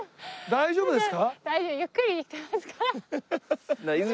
大丈夫です。